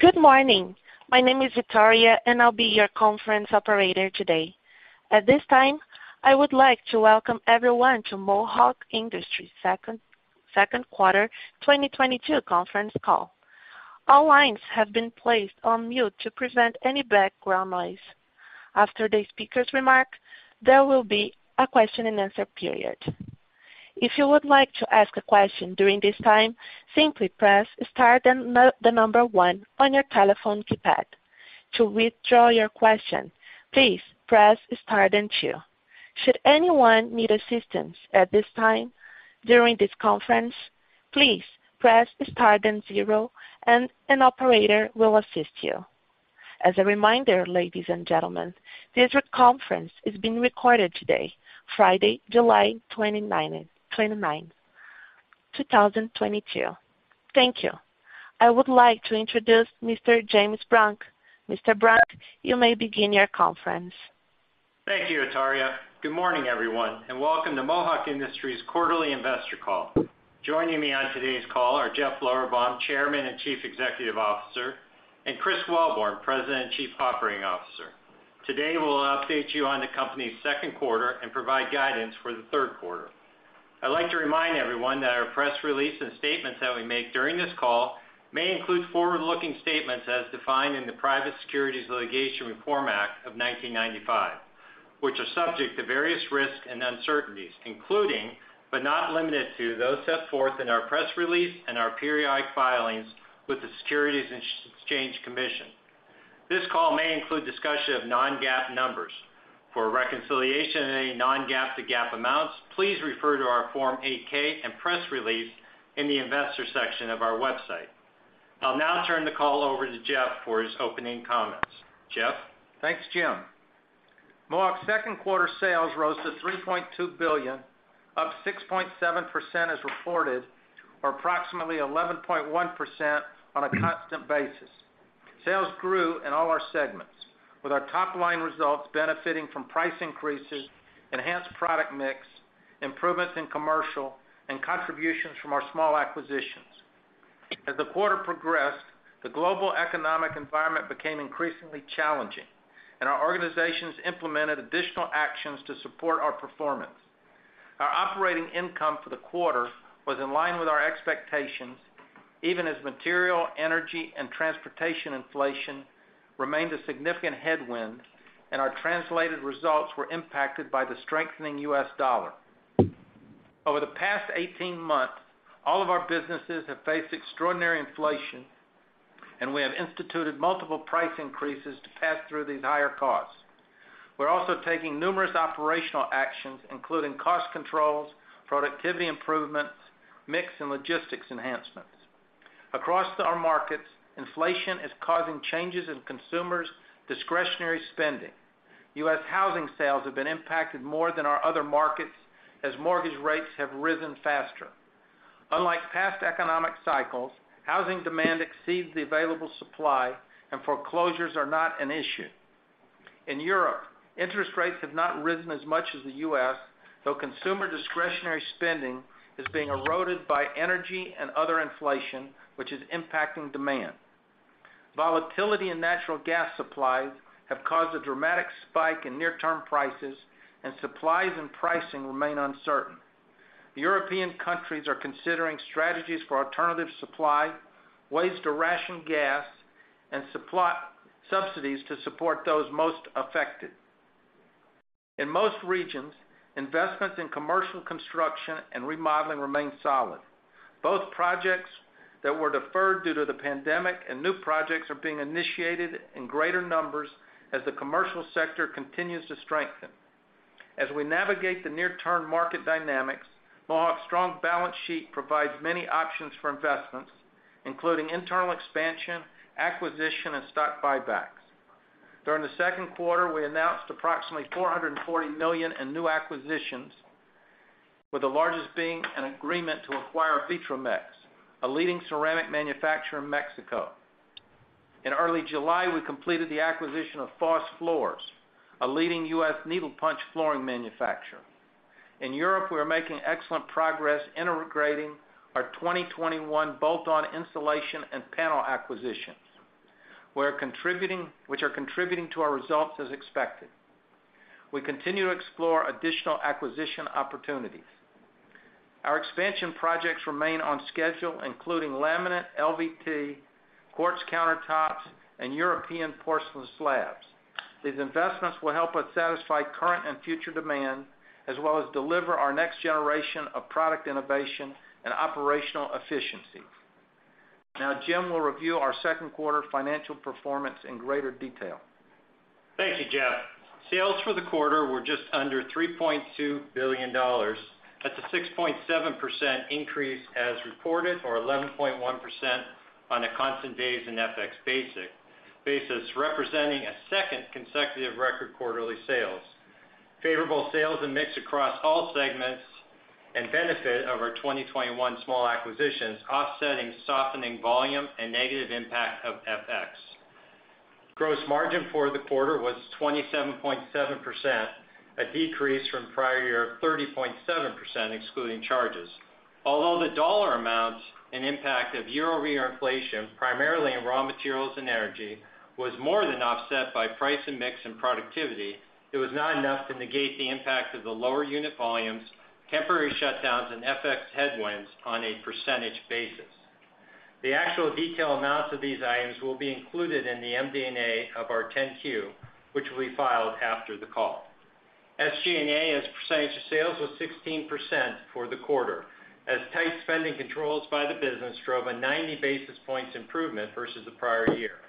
Good morning. My name is Victoria, and I'll be your conference operator today. At this time, I would like to welcome everyone to Mohawk Industries' second quarter 2022 conference call. All lines have been placed on mute to prevent any background noise. After the speakers' remarks, there will be a question and answer period. If you would like to ask a question during this time, simply press star, then the number one on your telephone keypad. To withdraw your question, please press star then two. Should anyone need assistance at this time during this conference, please press star then zero, and an operator will assist you. As a reminder, ladies and gentlemen, this conference is being recorded today, Friday, July 29, 2022. Thank you. I would like to introduce Mr. James Brunk. Mr. Brunk, you may begin your conference. Thank you, Victoria. Good morning, everyone, and welcome to Mohawk Industries quarterly investor call. Joining me on today's call are Jeff Lorberbaum, Chairman and Chief Executive Officer, and Chris Wellborn, President and Chief Operating Officer. Today, we'll update you on the company's second quarter and provide guidance for the third quarter. I'd like to remind everyone that our press release and statements that we make during this call may include forward-looking statements as defined in the Private Securities Litigation Reform Act of 1995, which are subject to various risks and uncertainties, including, but not limited to, those set forth in our press release and our periodic filings with the Securities and Exchange Commission. This call may include discussion of non-GAAP numbers. For a reconciliation of any non-GAAP to GAAP amounts, please refer to our Form 8-K and press release in the investor section of our website. I'll now turn the call over to Jeff for his opening comments. Jeff? Thanks, James. Mohawk's second quarter sales rose to $3.2 billion, up 6.7% as reported, or approximately 11.1% on a constant basis. Sales grew in all our segments, with our top line results benefiting from price increases, enhanced product mix, improvements in commercial, and contributions from our small acquisitions. As the quarter progressed, the global economic environment became increasingly challenging, and our organizations implemented additional actions to support our performance. Our operating income for the quarter was in line with our expectations, even as material, energy, and transportation inflation remained a significant headwind, and our translated results were impacted by the strengthening U.S. dollar. Over the past 18 months, all of our businesses have faced extraordinary inflation, and we have instituted multiple price increases to pass through these higher costs. We're also taking numerous operational actions, including cost controls, productivity improvements, mix, and logistics enhancements. Across our markets, inflation is causing changes in consumers' discretionary spending. U.S. housing sales have been impacted more than our other markets as mortgage rates have risen faster. Unlike past economic cycles, housing demand exceeds the available supply, and foreclosures are not an issue. In Europe, interest rates have not risen as much as the U.S., though consumer discretionary spending is being eroded by energy and other inflation, which is impacting demand. Volatility in natural gas supply have caused a dramatic spike in near-term prices, and supplies and pricing remain uncertain. The European countries are considering strategies for alternative supply, ways to ration gas and supply, subsidies to support those most affected. In most regions, investments in commercial construction and remodeling remain solid. Both projects that were deferred due to the pandemic and new projects are being initiated in greater numbers as the commercial sector continues to strengthen. As we navigate the near-term market dynamics, Mohawk's strong balance sheet provides many options for investments, including internal expansion, acquisition, and stock buybacks. During the second quarter, we announced approximately $440 million in new acquisitions, with the largest being an agreement to acquire Vitromex, a leading ceramic manufacturer in Mexico. In early July, we completed the acquisition of Foss Floors, a leading U.S. needlepunch flooring manufacturer. In Europe, we are making excellent progress integrating our 2021 bolt-on installation and panel acquisitions, which are contributing to our results as expected. We continue to explore additional acquisition opportunities. Our expansion projects remain on schedule, including laminate, LVT, quartz countertops, and European porcelain slabs. These investments will help us satisfy current and future demand, as well as deliver our next generation of product innovation and operational efficiency. Now James will review our second quarter financial performance in greater detail. Thank you, Jeff. Sales for the quarter were just under $3.2 billion. That's a 6.7% increase as reported or 11.1% on a constant basis and FX basis, representing a second consecutive record quarterly sales. Favorable sales and mix across all segments and benefit of our 2021 small acquisitions offsetting softening volume and negative impact of FX. Gross margin for the quarter was 27.7%, a decrease from prior year of 30.7% excluding charges. Although the dollar amounts and impact of year-over-year inflation, primarily in raw materials and energy, was more than offset by price and mix and productivity, it was not enough to negate the impact of the lower unit volumes, temporary shutdowns, and FX headwinds on a percentage basis. The actual detailed amounts of these items will be included in the MD&A of our 10-Q, which will be filed after the call. SG&A as a percentage of sales was 16% for the quarter, as tight spending controls by the business drove a 90 basis points improvement versus the prior year.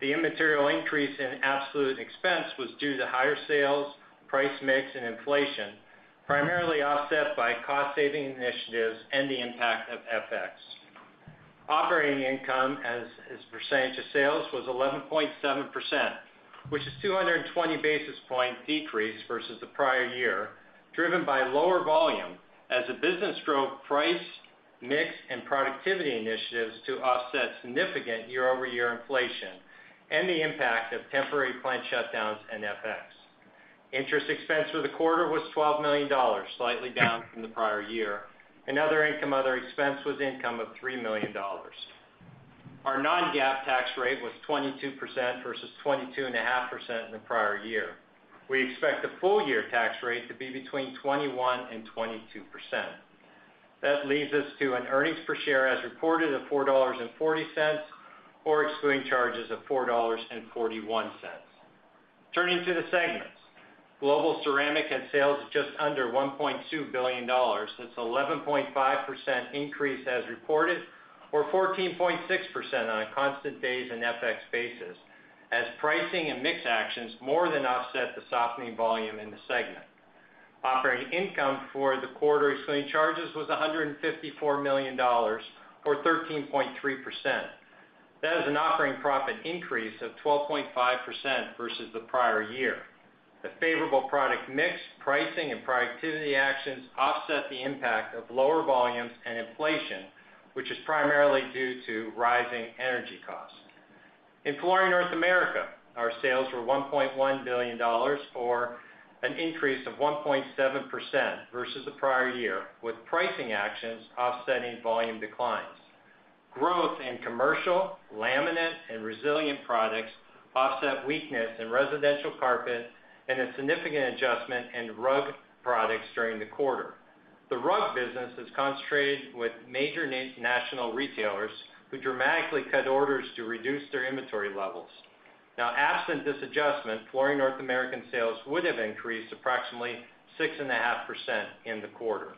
The immaterial increase in absolute expense was due to higher sales, price mix, and inflation, primarily offset by cost-saving initiatives and the impact of FX. Operating income as percentage of sales was 11.7%, which is 220 basis point decrease versus the prior year, driven by lower volume as the business drove price, mix, and productivity initiatives to offset significant year-over-year inflation and the impact of temporary plant shutdowns and FX. Interest expense for the quarter was $12 million, slightly down from the prior year. Other income, other expense was income of $3 million. Our non-GAAP tax rate was 22% versus 22.5% in the prior year. We expect the full year tax rate to be between 21% and 22%. That leads us to an earnings per share as reported of $4.40, or excluding charges of $4.41. Turning to the segments. Global Ceramic had sales of just under $1.2 billion. That's 11.5% increase as reported, or 14.6% on a constant base and FX basis, as pricing and mix actions more than offset the softening volume in the segment. Operating income for the quarter, excluding charges, was $154 million or 13.3%. That is an operating profit increase of 12.5% versus the prior year. The favorable product mix, pricing, and productivity actions offset the impact of lower volumes and inflation, which is primarily due to rising energy costs. In Flooring North America, our sales were $1.1 billion, or an increase of 1.7% versus the prior year, with pricing actions offsetting volume declines. Growth in commercial, laminate, and resilient products offset weakness in residential carpet and a significant adjustment in rug products during the quarter. The rug business is concentrated with major national retailers who dramatically cut orders to reduce their inventory levels. Absent this adjustment, Flooring North America sales would have increased approximately 6.5% in the quarter.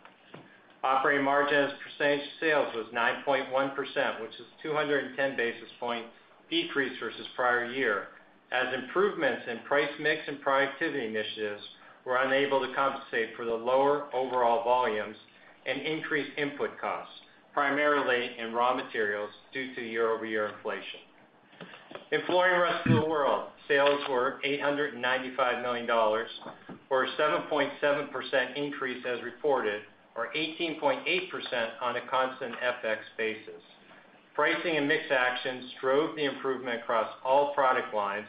Operating margin as a percentage of sales was 9.1%, which is 210 basis point decrease versus prior year, as improvements in price mix and productivity initiatives were unable to compensate for the lower overall volumes and increased input costs, primarily in raw materials, due to year-over-year inflation. In Flooring Rest of the World, sales were $895 million, or a 7.7% increase as reported, or 18.8% on a constant FX basis. Pricing and mix actions drove the improvement across all product lines,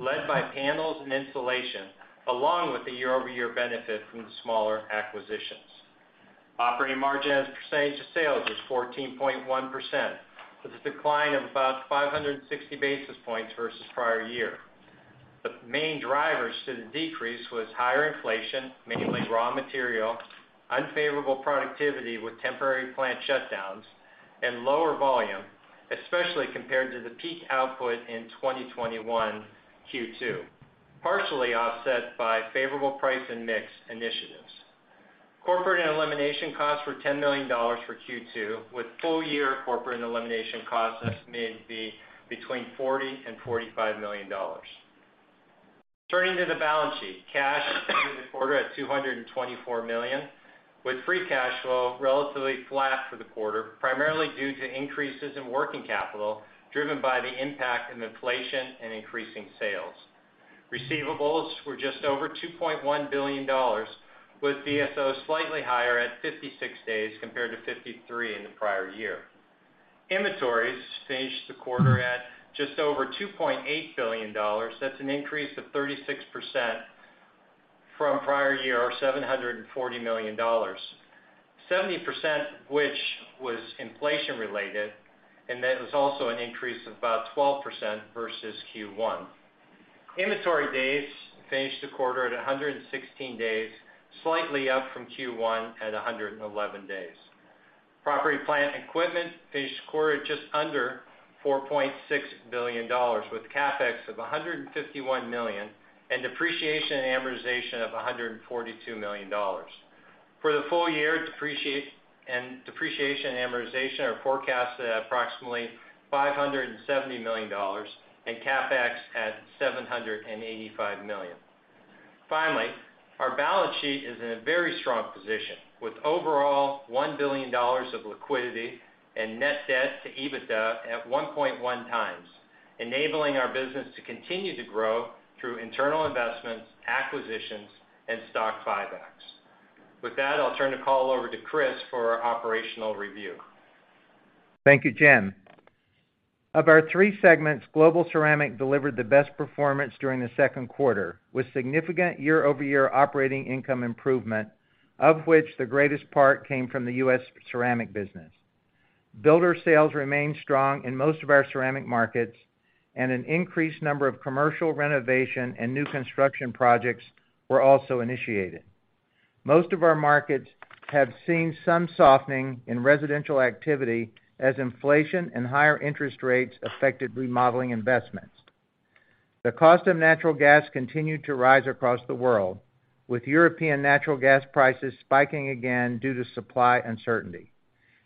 led by panels and insulation, along with the year-over-year benefit from the smaller acquisitions. Operating margin as a percentage of sales was 14.1%, with a decline of about 560 basis points versus prior year. The main drivers to the decrease was higher inflation, mainly raw material, unfavorable productivity with temporary plant shutdowns, and lower volume, especially compared to the peak output in 2021 Q2, partially offset by favorable price and mix initiatives. Corporate and elimination costs were $10 million for Q2, with full-year corporate and elimination costs estimated to be between $40 and $45 million. Turning to the balance sheet. Cash ended the quarter at $224 million, with free cash flow relatively flat for the quarter, primarily due to increases in working capital driven by the impact of inflation and increasing sales. Receivables were just over $2.1 billion, with DSOs slightly higher at 56 days compared to 53 in the prior year. Inventories finished the quarter at just over $2.8 billion. That's an increase of 36% from prior year, or $740 million. 70%, which was inflation-related, and that was also an increase of about 12% versus Q1. Inventory days finished the quarter at 116 days, slightly up from Q1 at 111 days. Property, plant, and equipment finished the quarter at just under $4.6 billion, with CapEx of $151 million and depreciation and amortization of $142 million. For the full year, and depreciation and amortization are forecasted at approximately $570 million and CapEx at $785 million. Finally, our balance sheet is in a very strong position with overall $1 billion of liquidity and net debt to EBITDA at 1.1 times, enabling our business to continue to grow through internal investments, acquisitions, and stock buybacks. With that, I'll turn the call over to Chris for our operational review. Thank you, James. Of our three segments, Global Ceramic delivered the best performance during the second quarter, with significant year-over-year operating income improvement, of which the greatest part came from the U.S. ceramic business. Builder sales remained strong in most of our ceramic markets, and an increased number of commercial renovation and new construction projects were also initiated. Most of our markets have seen some softening in residential activity as inflation and higher interest rates affected remodeling investments. The cost of natural gas continued to rise across the world, with European natural gas prices spiking again due to supply uncertainty.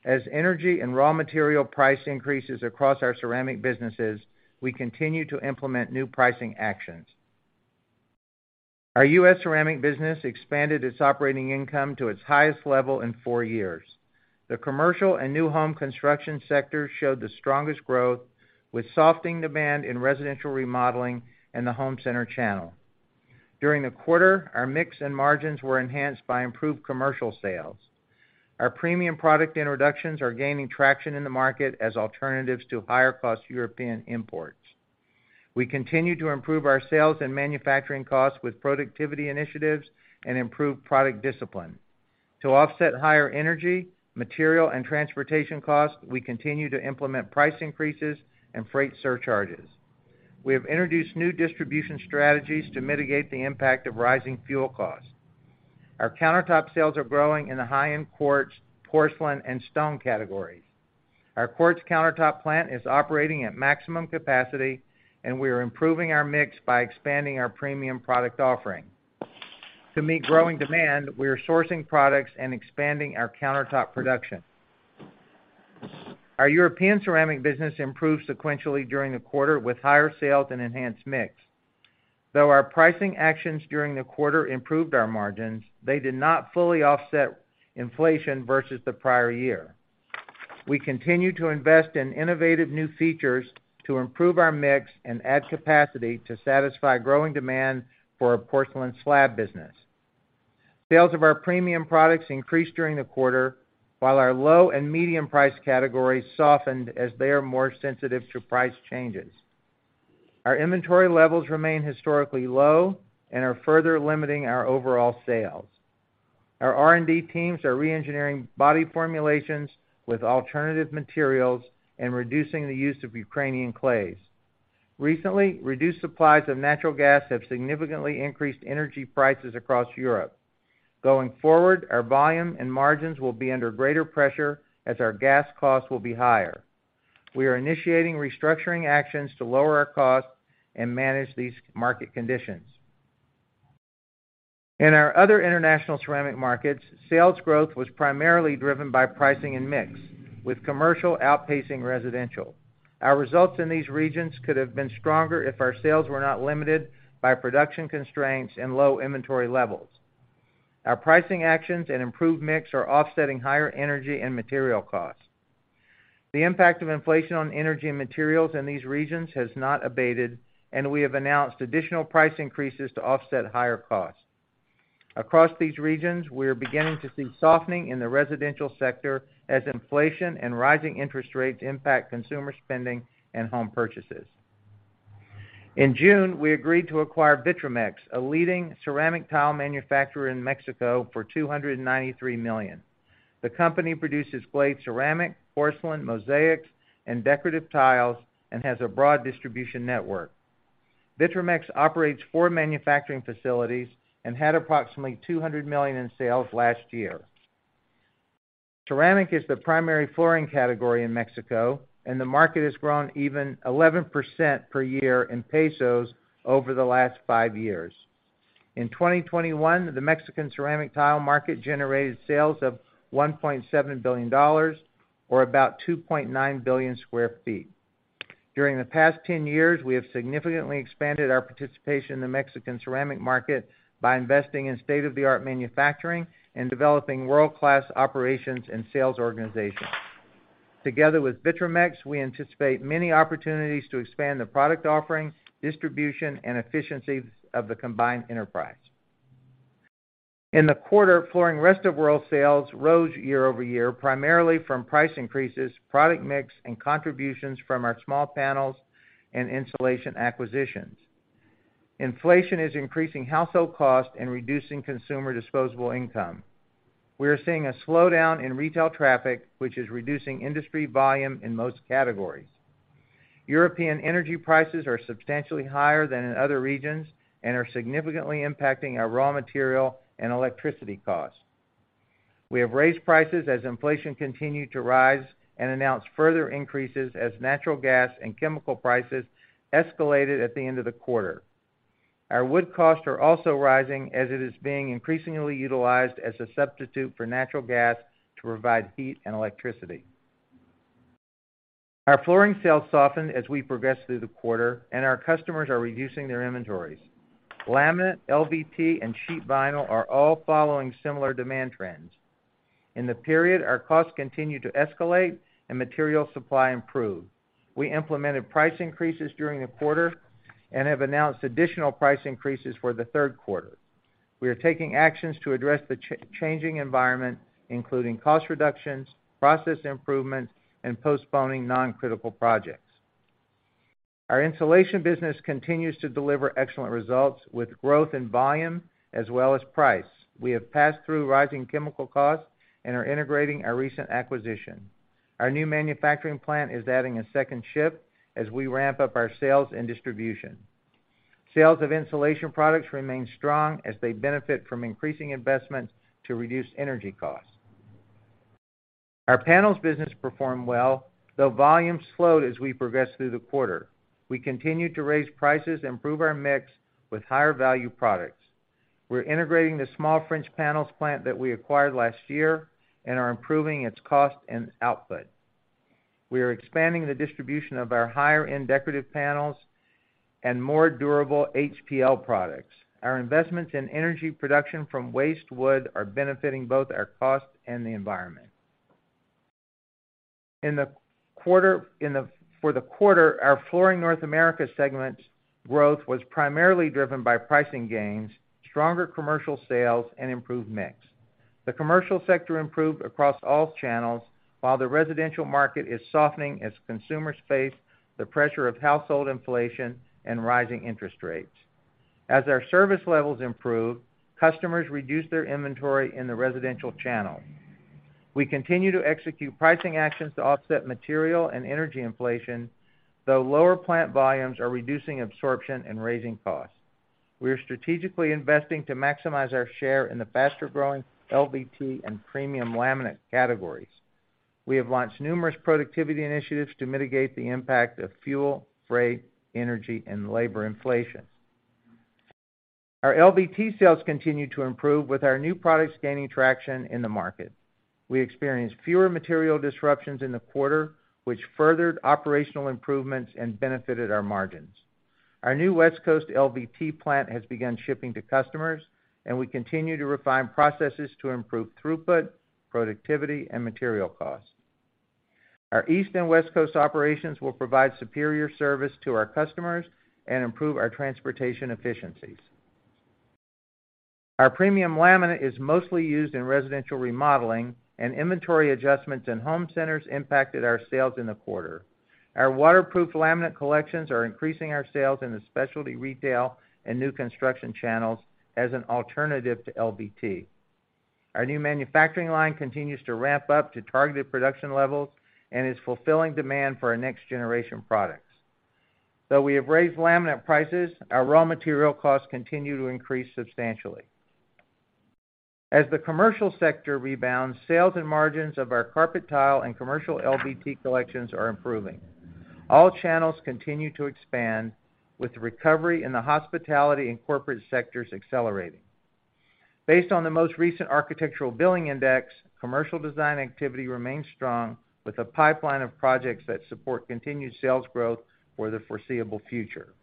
As energy and raw material price increases across our ceramic businesses, we continue to implement new pricing actions. Our U.S. ceramic business expanded its operating income to its highest level in four years. The commercial and new home construction sector showed the strongest growth, with softening demand in residential remodeling and the home center channel. During the quarter, our mix and margins were enhanced by improved commercial sales. Our premium product introductions are gaining traction in the market as alternatives to higher-cost European imports. We continue to improve our sales and manufacturing costs with productivity initiatives and improved product discipline. To offset higher energy, material, and transportation costs, we continue to implement price increases and freight surcharges. We have introduced new distribution strategies to mitigate the impact of rising fuel costs. Our countertop sales are growing in the high-end quartz, porcelain, and stone categories. Our quartz countertop plant is operating at maximum capacity, and we are improving our mix by expanding our premium product offering. To meet growing demand, we are sourcing products and expanding our countertop production. Our European ceramic business improved sequentially during the quarter with higher sales and enhanced mix. Though our pricing actions during the quarter improved our margins, they did not fully offset inflation versus the prior year. We continue to invest in innovative new features to improve our mix and add capacity to satisfy growing demand for our porcelain slab business. Sales of our premium products increased during the quarter, while our low and medium price categories softened as they are more sensitive to price changes. Our inventory levels remain historically low and are further limiting our overall sales. Our R&D teams are reengineering body formulations with alternative materials and reducing the use of Ukrainian clays. Recently, reduced supplies of natural gas have significantly increased energy prices across Europe. Going forward, our volume and margins will be under greater pressure as our gas costs will be higher. We are initiating restructuring actions to lower our costs and manage these market conditions. In our other international ceramic markets, sales growth was primarily driven by pricing and mix, with commercial outpacing residential. Our results in these regions could have been stronger if our sales were not limited by production constraints and low inventory levels. Our pricing actions and improved mix are offsetting higher energy and material costs. The impact of inflation on energy and materials in these regions has not abated, and we have announced additional price increases to offset higher costs. Across these regions, we are beginning to see softening in the residential sector as inflation and rising interest rates impact consumer spending and home purchases. In June, we agreed to acquire Vitromex, a leading ceramic tile manufacturer in Mexico, for $293 million. The company produces glazed ceramic, porcelain, mosaics, and decorative tiles and has a broad distribution network. Vitromex operates four manufacturing facilities and had approximately $200 million in sales last year. Ceramic is the primary flooring category in Mexico, and the market has grown even 11% per year in pesos over the last five years. In 2021, the Mexican ceramic tile market generated sales of $1.7 billion or about 2.9 billion sq ft. During the past 10 years, we have significantly expanded our participation in the Mexican ceramic market by investing in state-of-the-art manufacturing and developing world-class operations and sales organizations. Together with Vitromex, we anticipate many opportunities to expand the product offering, distribution, and efficiencies of the combined enterprise. In Flooring Rest of the World sales rose year-over-year, primarily from price increases, product mix, and contributions from our small panels and insulation acquisitions. Inflation is increasing household costs and reducing consumer disposable income. We are seeing a slowdown in retail traffic, which is reducing industry volume in most categories. European energy prices are substantially higher than in other regions and are significantly impacting our raw material and electricity costs. We have raised prices as inflation continued to rise and announced further increases as natural gas and chemical prices escalated at the end of the quarter. Our wood costs are also rising, as it is being increasingly utilized as a substitute for natural gas to provide heat and electricity. Our flooring sales softened as we progressed through the quarter, and our customers are reducing their inventories. Laminate, LVT, and sheet vinyl are all following similar demand trends. In the period, our costs continued to escalate and material supply improved. We implemented price increases during the quarter and have announced additional price increases for the third quarter. We are taking actions to address the changing environment, including cost reductions, process improvement, and postponing non-critical projects. Our Insulation business continues to deliver excellent results with growth in volume as well as price. We have passed through rising chemical costs and are integrating our recent acquisition. Our new manufacturing plant is adding a second shift as we ramp up our sales and distribution. Sales of insulation products remain strong as they benefit from increasing investments to reduce energy costs. Our Panels business performed well, though volume slowed as we progressed through the quarter. We continued to raise prices and improve our mix with higher value products. We're integrating the small French panels plant that we acquired last year and are improving its cost and output. We are expanding the distribution of our higher-end decorative panels and more durable HPL products. Our investments in energy production from waste wood are benefiting both our cost and the environment. For the quarter, our Flooring North America segment growth was primarily driven by pricing gains, stronger commercial sales, and improved mix. The commercial sector improved across all channels, while the residential market is softening as consumers face the pressure of household inflation and rising interest rates. As our service levels improve, customers reduce their inventory in the residential channel. We continue to execute pricing actions to offset material and energy inflation, though lower plant volumes are reducing absorption and raising costs. We are strategically investing to maximize our share in the faster-growing LVT and premium laminate categories. We have launched numerous productivity initiatives to mitigate the impact of fuel, freight, energy, and labor inflation. Our LVT sales continue to improve with our new products gaining traction in the market. We experienced fewer material disruptions in the quarter, which furthered operational improvements and benefited our margins. Our new West Coast LVT plant has begun shipping to customers, and we continue to refine processes to improve throughput, productivity, and material costs. Our East and West Coast operations will provide superior service to our customers and improve our transportation efficiencies. Our premium laminate is mostly used in residential remodeling, and inventory adjustments in home centers impacted our sales in the quarter. Our waterproof laminate collections are increasing our sales in the specialty retail and new construction channels as an alternative to LVT. Our new manufacturing line continues to ramp up to targeted production levels and is fulfilling demand for our next-generation products. Though we have raised laminate prices, our raw material costs continue to increase substantially. As the commercial sector rebounds, sales and margins of our carpet tile and commercial LVT collections are improving. All channels continue to expand, with the recovery in the hospitality and corporate sectors accelerating. Based on the most recent Architecture Billings Index, commercial design activity remains strong, with a pipeline of projects that support continued sales growth for the foreseeable future.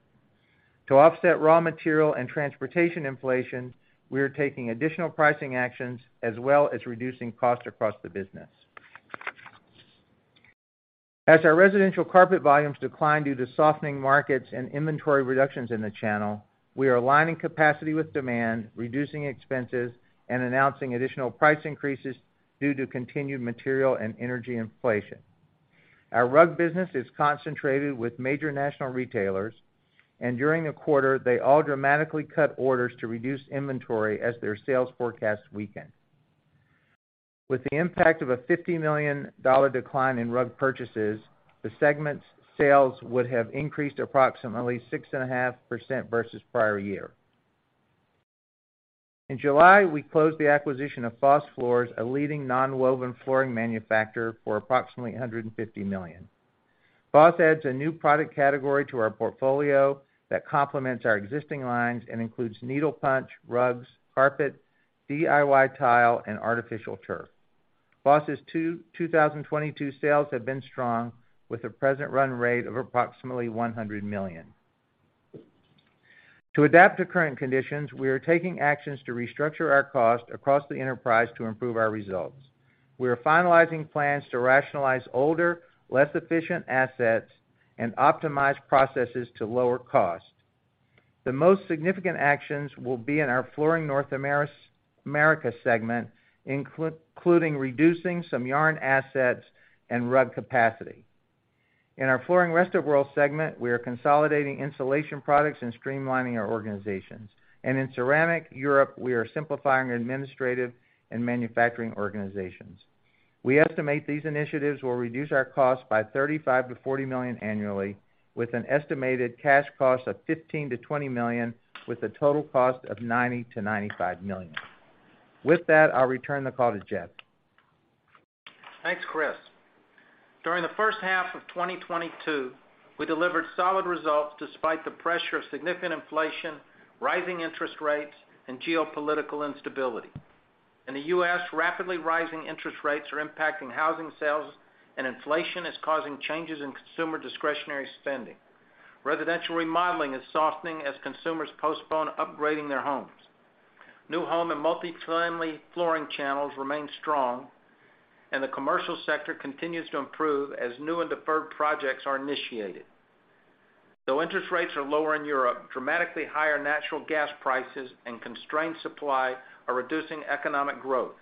To offset raw material and transportation inflation, we are taking additional pricing actions as well as reducing costs across the business. As our residential carpet volumes decline due to softening markets and inventory reductions in the channel, we are aligning capacity with demand, reducing expenses, and announcing additional price increases due to continued material and energy inflation. Our rug business is concentrated with major national retailers, and during the quarter, they all dramatically cut orders to reduce inventory as their sales forecasts weakened. With the impact of a $50 million decline in rug purchases, the segment's sales would have increased approximately 6.5% versus prior year. In July, we closed the acquisition of Foss Floors, a leading non-woven flooring manufacturer, for approximately $150 million. Foss adds a new product category to our portfolio that complements our existing lines and includes needle punch, rugs, carpet, DIY tile, and artificial turf. Foss Floors' 2022 sales have been strong, with a current run rate of approximately $100 million. To adapt to current conditions, we are taking actions to restructure our cost across the enterprise to improve our results. We are finalizing plans to rationalize older, less efficient assets and optimize processes to lower cost. The most significant actions will be in our Flooring North America segment, including reducing some yarn assets and rug capacity. In our Flooring Rest of the World segment, we are consolidating insulation products and streamlining our organizations. In Ceramic Europe, we are simplifying administrative and manufacturing organizations. We estimate these initiatives will reduce our costs by $35-$40 million annually with an estimated cash cost of $15-$20 million, with a total cost of $90-$95 million. With that, I'll return the call to Jeff. Thanks, Chris. During the first half of 2022, we delivered solid results despite the pressure of significant inflation, rising interest rates, and geopolitical instability. In the U.S., rapidly rising interest rates are impacting housing sales, and inflation is causing changes in consumer discretionary spending. Residential remodeling is softening as consumers postpone upgrading their homes. New home and multifamily flooring channels remain strong, and the commercial sector continues to improve as new and deferred projects are initiated. Though interest rates are lower in Europe, dramatically higher natural gas prices and constrained supply are reducing economic growth.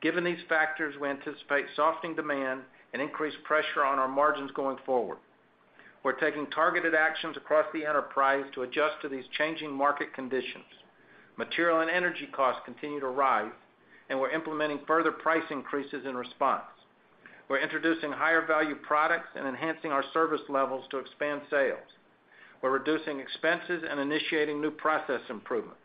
Given these factors, we anticipate softening demand and increased pressure on our margins going forward. We're taking targeted actions across the enterprise to adjust to these changing market conditions. Material and energy costs continue to rise, and we're implementing further price increases in response. We're introducing higher value products and enhancing our service levels to expand sales. We're reducing expenses and initiating new process improvements.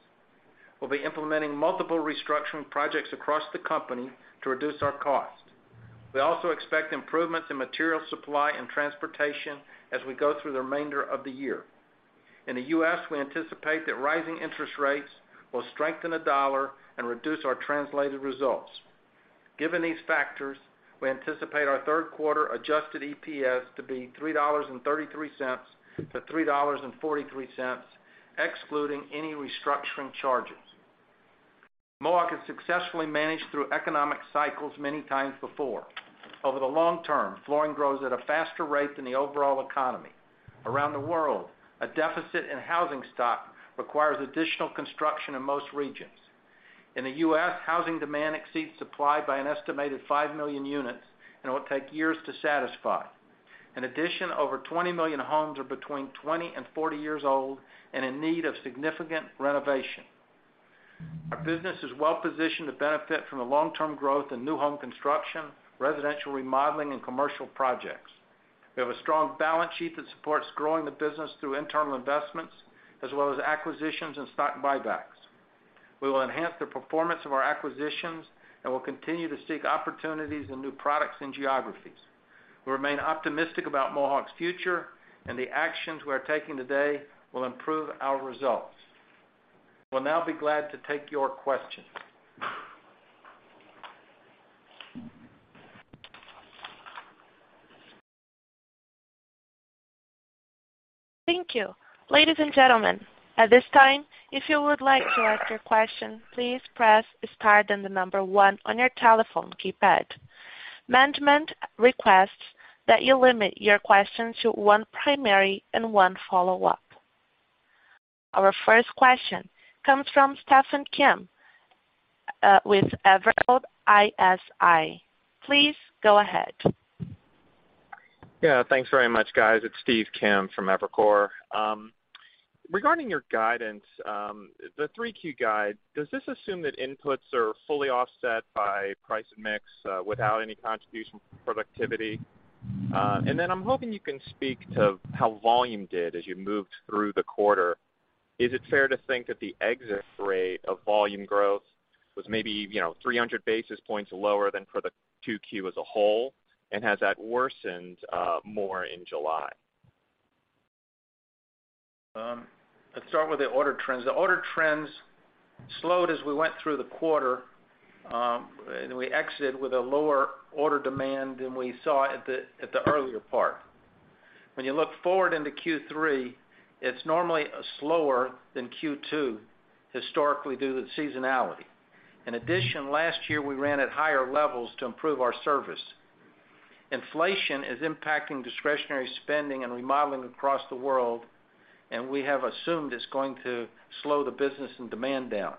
We'll be implementing multiple restructuring projects across the company to reduce our cost. We also expect improvements in material supply and transportation as we go through the remainder of the year. In the U.S., we anticipate that rising interest rates will strengthen the dollar and reduce our translated results. Given these factors, we anticipate our third quarter adjusted EPS to be $3.33-$3.43, excluding any restructuring charges. Mohawk has successfully managed through economic cycles many times before. Over the long term, flooring grows at a faster rate than the overall economy. Around the world, a deficit in housing stock requires additional construction in most regions. In the US, housing demand exceeds supply by an estimated five million units and it will take years to satisfy. In addition, over 20 million homes are between 20 and 40 years old and in need of significant renovation. Our business is well positioned to benefit from the long-term growth in new home construction, residential remodeling and commercial projects. We have a strong balance sheet that supports growing the business through internal investments as well as acquisitions and stock buybacks. We will enhance the performance of our acquisitions, and we'll continue to seek opportunities in new products and geographies. We remain optimistic about Mohawk's future, and the actions we are taking today will improve our results. We'll now be glad to take your questions. Thank you. Ladies and gentlemen, at this time, if you would like to ask your question, please press star then one on your telephone keypad. Management requests that you limit your question to one primary and one follow-up. Our first question comes from Stephen Kim with Evercore ISI. Please go ahead. Yeah. Thanks very much, guys. It's Stephen Kim from Evercore. Regarding your guidance, the 3Q guide, does this assume that inputs are fully offset by price mix, without any contribution from productivity? I'm hoping you can speak to how volume did as you moved through the quarter. Is it fair to think that the exit rate of volume growth was maybe, you know, 300 basis points lower than for the 2Q as a whole? Has that worsened, more in July? Let's start with the order trends. The order trends slowed as we went through the quarter, and we exited with a lower order demand than we saw at the earlier part. When you look forward into Q3, it's normally slower than Q2 historically due to seasonality. In addition, last year, we ran at higher levels to improve our service. Inflation is impacting discretionary spending and remodeling across the world, and we have assumed it's going to slow the business and demand down.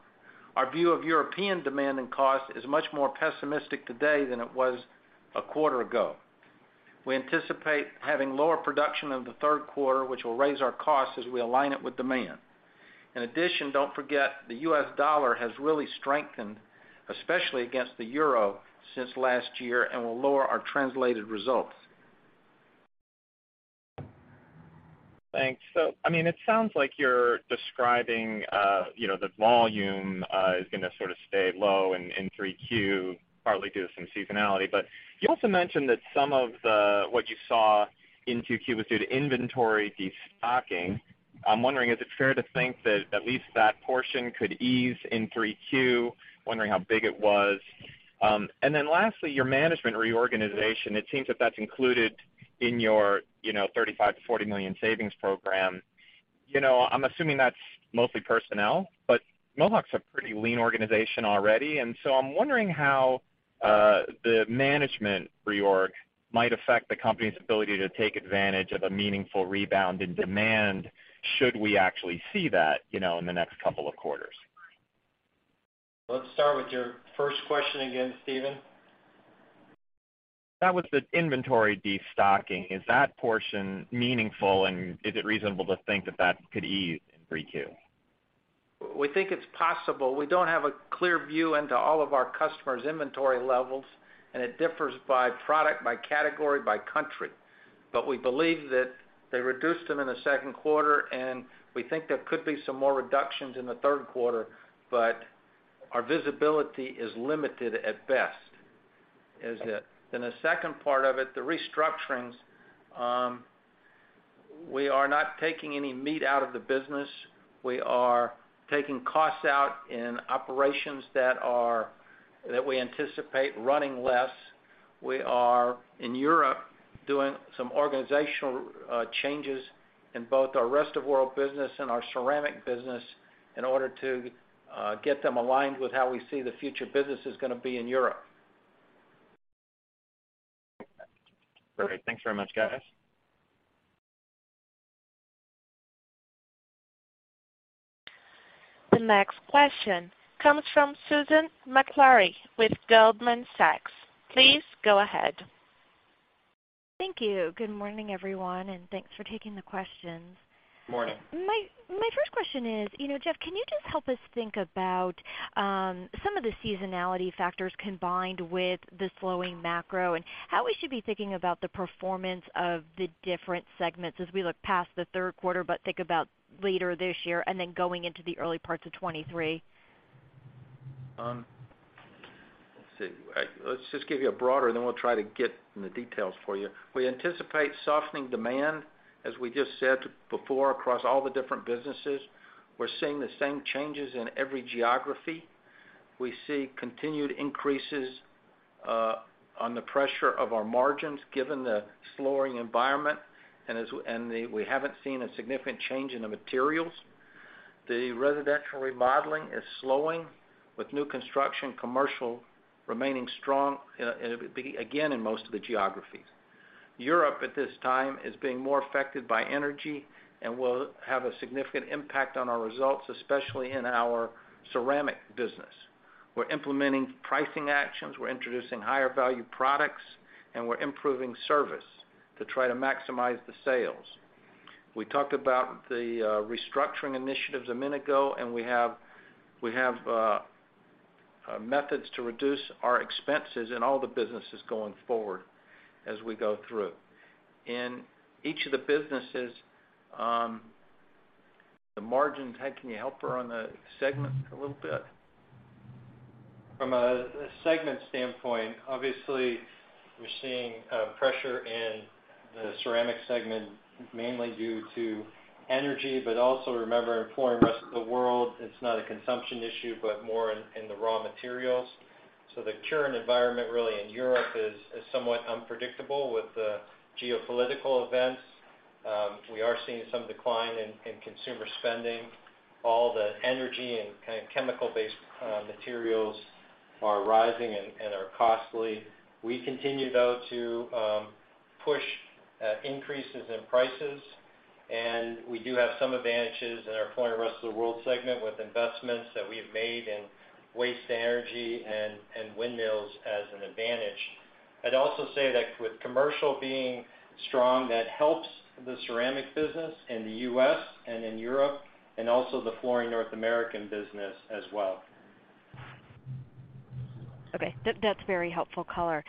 Our view of European demand and cost is much more pessimistic today than it was a quarter ago. We anticipate having lower production in the third quarter, which will raise our costs as we align it with demand. In addition, don't forget, the U.S. dollar has really strengthened, especially against the euro since last year, and will lower our translated results. Thanks. I mean, it sounds like you're describing, you know, that volume is gonna sort of stay low in 3Q, partly due to some seasonality. You also mentioned that some of the what you saw in 2Q was due to inventory destocking. I'm wondering, is it fair to think that at least that portion could ease in 3Q? Wondering how big it was. Lastly, your management reorganization, it seems that that's included in your, you know, $35 million-$40 million savings program. You know, I'm assuming that's mostly personnel, but Mohawk's a pretty lean organization already. I'm wondering how the management reorg might affect the company's ability to take advantage of a meaningful rebound in demand should we actually see that, you know, in the next couple of quarters. Let's start with your first question again, Stephen. That was the inventory destocking. Is that portion meaningful, and is it reasonable to think that that could ease in 3Q? We think it's possible. We don't have a clear view into all of our customers' inventory levels, and it differs by product, by category, by country. We believe that they reduced them in the second quarter, and we think there could be some more reductions in the third quarter, but our visibility is limited at best. As to then the second part of it, the restructurings, we are not taking any meat out of the business. We are taking costs out in operations that we anticipate running less. We are, in Europe, doing some organizational changes in both our Rest of World business and our ceramic business in order to get them aligned with how we see the future business is gonna be in Europe. Great. Thanks very much, guys. The next question comes from Susan Maklari with Goldman Sachs. Please go ahead. Thank you. Good morning, everyone, and thanks for taking the questions. Morning. My first question is, you know, Jeff, can you just help us think about some of the seasonality factors combined with the slowing macro, and how we should be thinking about the performance of the different segments as we look past the third quarter, but think about later this year, and then going into the early parts of 2023. Let's see. Let's just give you a broader, then we'll try to get in the details for you. We anticipate softening demand, as we just said before, across all the different businesses. We're seeing the same changes in every geography. We see continued increases on the pressure of our margins given the slowing environment, and we haven't seen a significant change in the materials. The residential remodeling is slowing, with new construction commercial remaining strong, again in most of the geographies. Europe, at this time, is being more affected by energy and will have a significant impact on our results, especially in our ceramic business. We're implementing pricing actions, we're introducing higher value products, and we're improving service to try to maximize the sales. We talked about the restructuring initiatives a minute ago, and we have methods to reduce our expenses in all the businesses going forward as we go through. In each of the businesses, the margin. James, can you help her on the segment a little bit? From a segment standpoint, obviously we're seeing pressure in the ceramic segment, mainly due to energy. Also remember, in Flooring Rest of the World, it's not a consumption issue, but more in the raw materials. The current environment really in Europe is somewhat unpredictable with the geopolitical events. We are seeing some decline in consumer spending. All the energy and chemical-based materials are rising and are costly. We continue, though, to push increases in prices, and we do have some advantages in our Flooring Rest of the World segment with investments that we have made in waste energy and windmills as an advantage. I'd also say that with commercial being strong, that helps the ceramic business in the U.S. and in Europe, and also the Flooring North America business as well. Okay. That's very helpful color.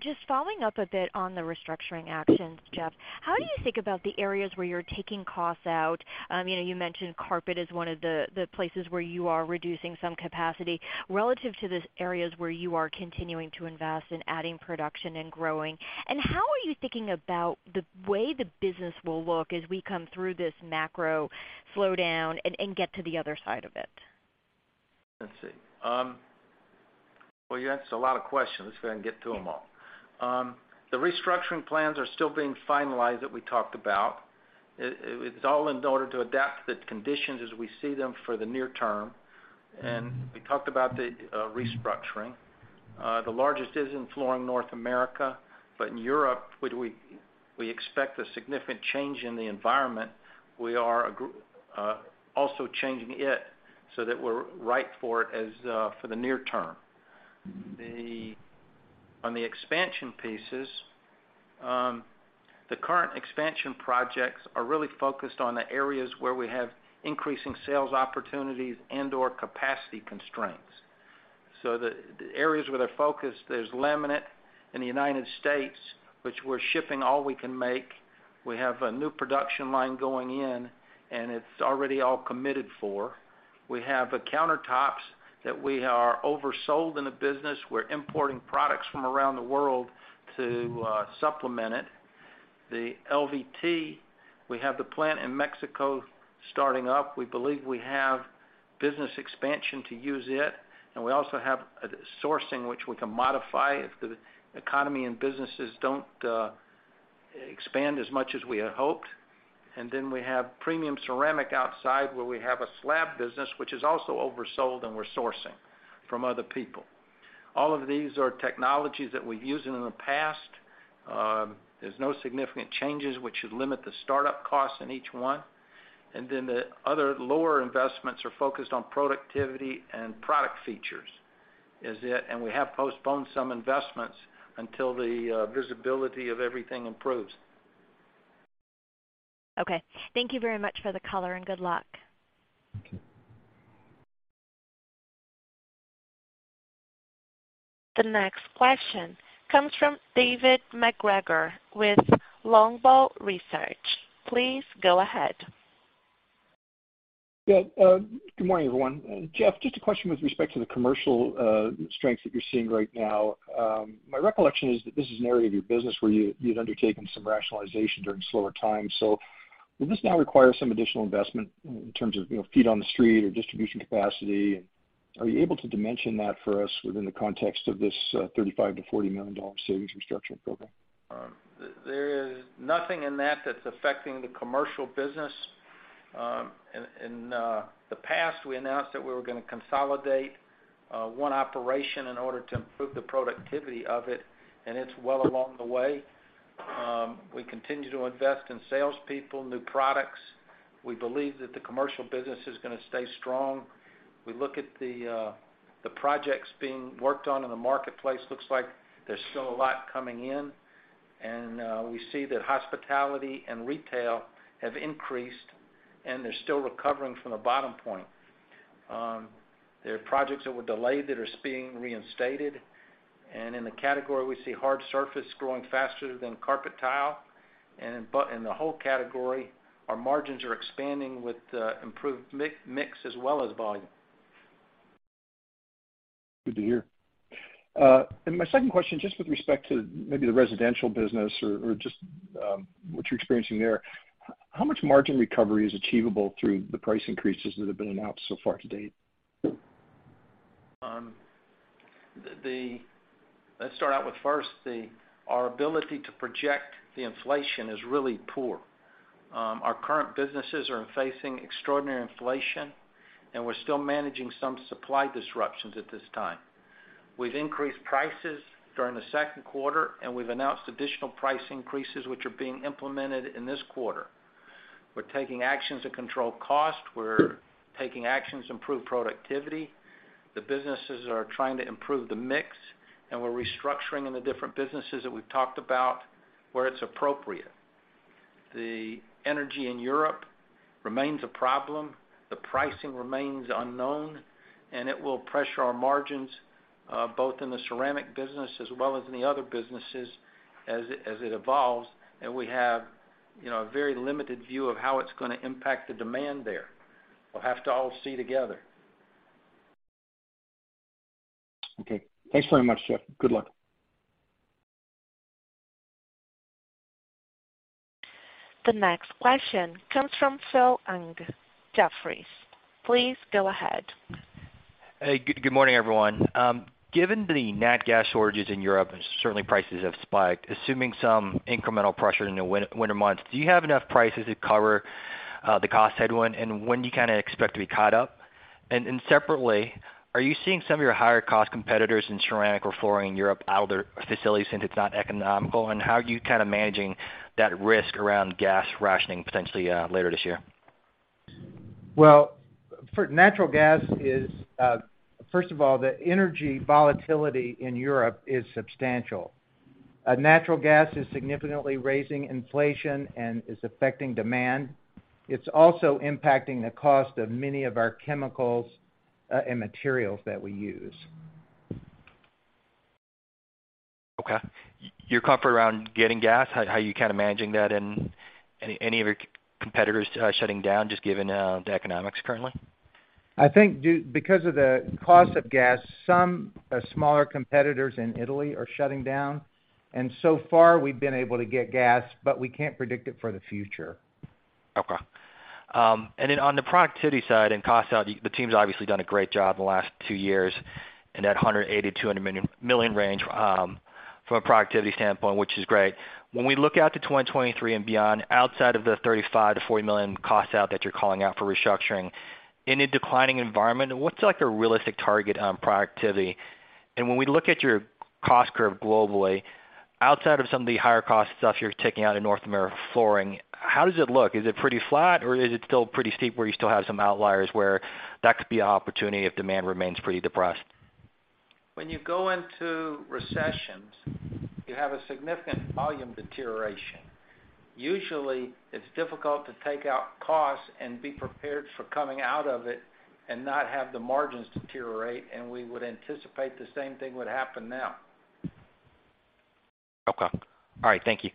Just following up a bit on the restructuring actions, Jeff, how do you think about the areas where you're taking costs out? You know, you mentioned carpet as one of the places where you are reducing some capacity relative to the areas where you are continuing to invest in adding production and growing. How are you thinking about the way the business will look as we come through this macro slowdown and get to the other side of it? Let's see. Well, you asked a lot of questions. Let's see if I can get to them all. The restructuring plans are still being finalized that we talked about. It's all in order to adapt the conditions as we see them for the near term. We talked about the restructuring. The largest is in Flooring North America. In Europe, where we expect a significant change in the environment, we are also changing it so that we're right for it as for the near term. On the expansion pieces, the current expansion projects are really focused on the areas where we have increasing sales opportunities and/or capacity constraints. The areas where they're focused, there's laminate in the United States, which we're shipping all we can make. We have a new production line going in, and it's already all committed for. We have the countertops that we are oversold in the business. We're importing products from around the world to supplement it. The LVT, we have the plant in Mexico starting up. We believe we have business expansion to use it, and we also have a sourcing which we can modify if the economy and businesses don't expand as much as we had hoped. Then we have premium ceramic outside, where we have a slab business which is also oversold, and we're sourcing from other people. All of these are technologies that we've used in the past. There's no significant changes which should limit the startup costs in each one. Then the other lower investments are focused on productivity and product features, is it. We have postponed some investments until the visibility of everything improves. Okay. Thank you very much for the color, and good luck. The next question comes from David MacGregor with Longbow Research. Please go ahead. Yeah. Good morning, everyone. Jeff, just a question with respect to the commercial strength that you're seeing right now. My recollection is that this is an area of your business where you'd undertaken some rationalization during slower times. Will this now require some additional investment in terms of, you know, feet on the street or distribution capacity? Are you able to dimension that for us within the context of this $35 million-$40 million savings restructuring program? There is nothing in that that's affecting the commercial business. In the past, we announced that we were gonna consolidate one operation in order to improve the productivity of it, and it's well along the way. We continue to invest in sales people, new products. We believe that the commercial business is gonna stay strong. We look at the projects being worked on in the marketplace, looks like there's still a lot coming in. We see that hospitality and retail have increased, and they're still recovering from a bottom point. There are projects that were delayed that are being reinstated. In the category, we see hard surface growing faster than carpet tile. In the whole category, our margins are expanding with improved mix as well as volume. Good to hear. My second question, just with respect to maybe the residential business or just what you're experiencing there. How much margin recovery is achievable through the price increases that have been announced so far to date? Our ability to project the inflation is really poor. Our current businesses are facing extraordinary inflation, and we're still managing some supply disruptions at this time. We've increased prices during the second quarter, and we've announced additional price increases, which are being implemented in this quarter. We're taking actions to control cost. We're taking actions to improve productivity. The businesses are trying to improve the mix, and we're restructuring in the different businesses that we've talked about where it's appropriate. The energy in Europe remains a problem. The pricing remains unknown, and it will pressure our margins, both in the ceramic business as well as in the other businesses as it evolves. We have, you know, a very limited view of how it's gonna impact the demand there. We'll have to all see together. Okay. Thanks very much, Jeff. Good luck. The next question comes from Phil Ng, Jefferies. Please go ahead. Hey, good morning, everyone. Given the nat gas shortages in Europe, and certainly prices have spiked, assuming some incremental pressure in the winter months, do you have enough prices to cover the cost headwind? When do you kinda expect to be caught up? Separately, are you seeing some of your higher cost competitors in ceramic or flooring in Europe out of their facilities since it's not economical? How are you kind of managing that risk around gas rationing potentially later this year? Well, first of all, the energy volatility in Europe is substantial. Natural gas is significantly raising inflation and is affecting demand. It's also impacting the cost of many of our chemicals, and materials that we use. Okay. You're comfortable around getting gas? How are you kind of managing that? Any of your competitors shutting down, just given the economics currently? I think because of the cost of gas, some smaller competitors in Italy are shutting down. So far, we've been able to get gas, but we can't predict it for the future. Okay. On the productivity side and cost side, the team's obviously done a great job in the last two years in that $180-$200 million range from a productivity standpoint, which is great. When we look out to 2023 and beyond, outside of the $35-$40 million cost out that you're calling out for restructuring, in a declining environment, what's like the realistic target on productivity? When we look at your cost curve globally, outside of some of the higher cost stuff you're taking out in North America flooring, how does it look? Is it pretty flat, or is it still pretty steep where you still have some outliers where that could be an opportunity if demand remains pretty depressed? When you go into recessions, you have a significant volume deterioration. Usually, it's difficult to take out costs and be prepared for coming out of it and not have the margins deteriorate, and we would anticipate the same thing would happen now. Okay. All right. Thank you.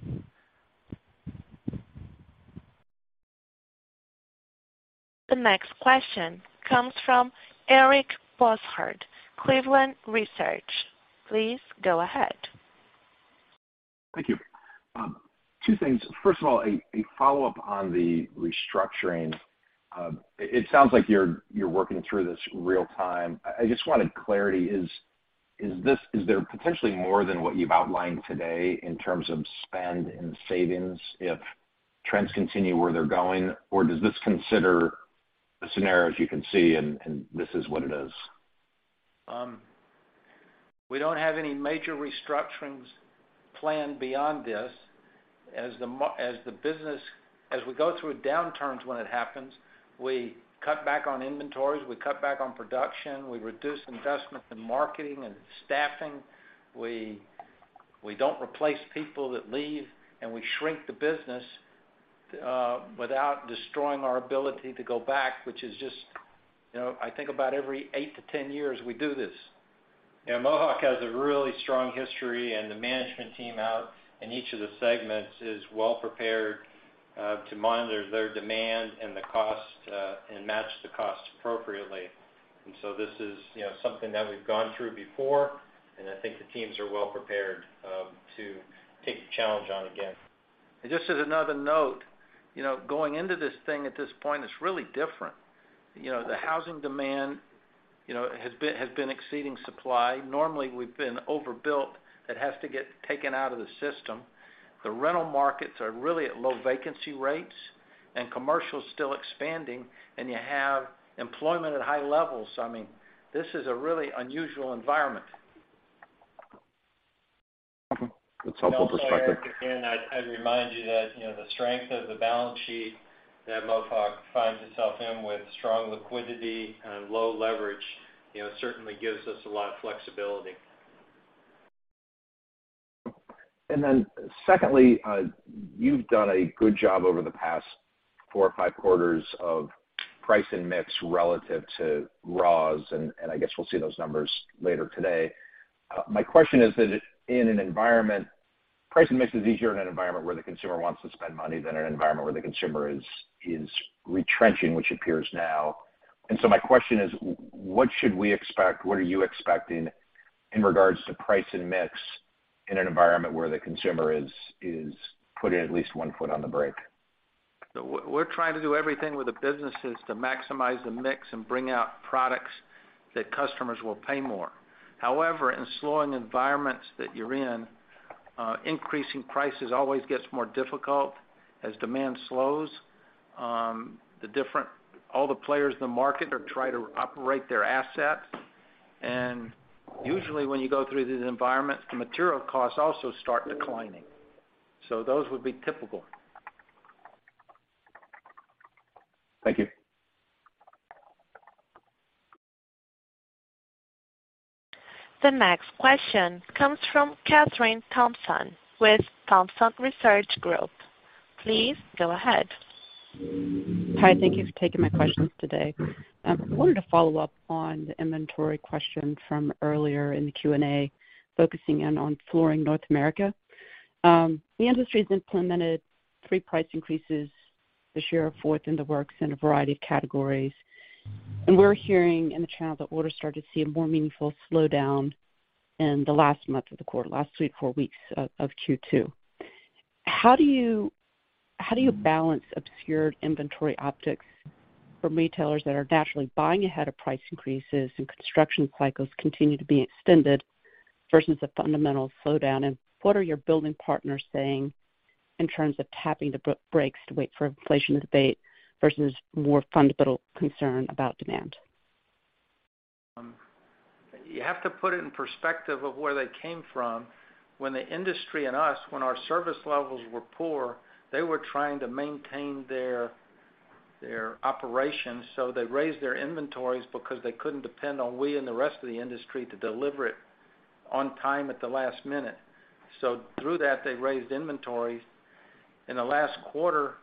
The next question comes from Eric Bosshard, Cleveland Research. Please go ahead. Thank you. Two things. First of all, a follow-up on the restructuring. It sounds like you're working through this real time. I just wanted clarity. Is there potentially more than what you've outlined today in terms of spend and savings if trends continue where they're going? Or does this consider the scenarios you can see and this is what it is? We don't have any major restructurings planned beyond this. As we go through downturns when it happens, we cut back on inventories, we cut back on production, we reduce investment in marketing and staffing. We don't replace people that leave, and we shrink the business without destroying our ability to go back, which is just, you know, I think about every 8-10 years we do this. Yeah, Mohawk has a really strong history, and the management team out in each of the segments is well prepared to monitor their demand and the cost, and match the cost appropriately. This is, you know, something that we've gone through before, and I think the teams are well prepared to take the challenge on again. Just as another note, you know, going into this thing at this point is really different. You know, the housing demand. You know, has been exceeding supply. Normally, we've been overbuilt that has to get taken out of the system. The rental markets are really at low vacancy rates and commercial is still expanding, and you have employment at high levels. I mean, this is a really unusual environment. Okay. That's helpful perspective. Also, Eric, again, I'd remind you that, you know, the strength of the balance sheet that Mohawk finds itself in with strong liquidity and low leverage, you know, certainly gives us a lot of flexibility. Secondly, you've done a good job over the past four or five quarters of price and mix relative to raws, and I guess we'll see those numbers later today. My question is that in an environment, price and mix is easier in an environment where the consumer wants to spend money than an environment where the consumer is retrenching, which appears now. My question is, what should we expect? What are you expecting in regards to price and mix in an environment where the consumer is putting at least one foot on the brake? We're trying to do everything with the businesses to maximize the mix and bring out products that customers will pay more. However, in slowing environments that you're in, increasing prices always gets more difficult as demand slows. All the players in the market are trying to operate their assets. Usually, when you go through these environments, the material costs also start declining. Those would be typical. Thank you. The next question comes from Kathryn Thompson with Thompson Research Group. Please go ahead. Hi. Thank you for taking my questions today. Wanted to follow up on the inventory question from earlier in the Q&A, focusing in on Flooring North America. The industry has implemented three price increases this year, a fourth in the works in a variety of categories. We're hearing in the channel that orders started to see a more meaningful slowdown in the last month of the quarter, last three-four weeks of Q2. How do you balance obscured inventory optics for retailers that are naturally buying ahead of price increases and construction cycles continue to be extended versus a fundamental slowdown? What are your building partners saying in terms of tapping the brakes to wait for inflation to abate versus more fundamental concern about demand? You have to put it in perspective of where they came from. When the industry and us, when our service levels were poor, they were trying to maintain their operations, so they raised their inventories because they couldn't depend on we and the rest of the industry to deliver it on time at the last minute. Through that, they raised inventories. In the last quarter,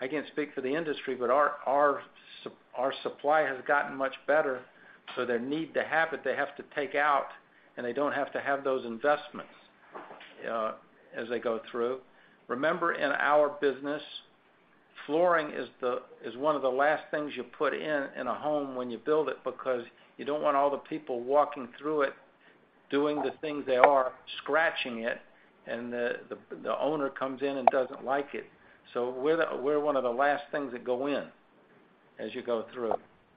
I can't speak for the industry, but our supply has gotten much better, so their need to have it, they have to take out, and they don't have to have those investments as they go through. Remember, in our business, flooring is one of the last things you put in a home when you build it because you don't want all the people walking through it, doing the things they are, scratching it, and the owner comes in and doesn't like it. We're one of the last things that go in as you go through.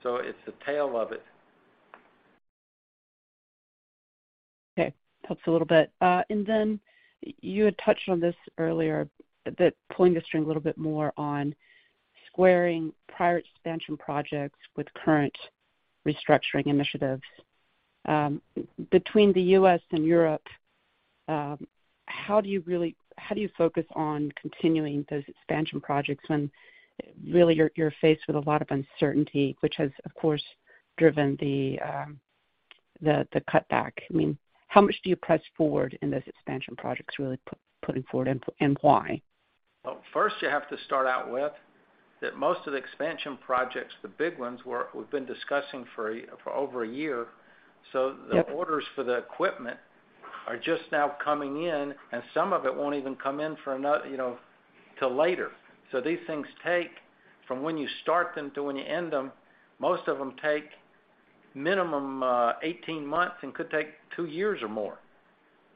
It's the tail of it. Okay. Helps a little bit. Then you had touched on this earlier, but pulling the string a little bit more on squaring prior expansion projects with current restructuring initiatives. Between the U.S. and Europe, how do you focus on continuing those expansion projects when really you're faced with a lot of uncertainty, which has, of course, driven the cutback? I mean, how much do you press forward in those expansion projects, really putting forward, and why? Well, first you have to start out with that most of the expansion projects, the big ones, we've been discussing for over a year. So Yep. The orders for the equipment are just now coming in, and some of it won't even come in for you know, till later. These things take from when you start them to when you end them, most of them take minimum, 18 months and could take two years or more,